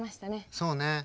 そうね。